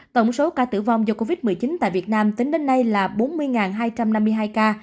tổng số ca tử vong do covid một mươi chín tại việt nam tính đến nay là bốn mươi hai trăm năm mươi hai ca